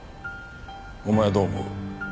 お前はどう思う？